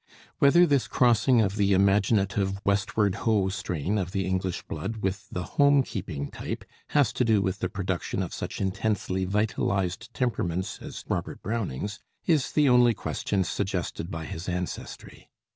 Whether this crossing of the imaginative, Westward Ho strain of the English blood with the home keeping type has to do with the production of such intensely vitalized temperaments as Robert Browning's, is the only question suggested by his ancestry.